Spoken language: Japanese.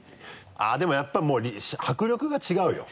あぁでもやっぱりもう迫力が違うよ。